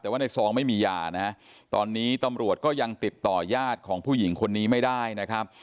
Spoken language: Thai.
แต่ว่าในซองไม่มียานะฮะตอนนี้ตำรวจก็ยังติดต่อยาดของผู้หญิงคนนี้ไม่ได้นะครับ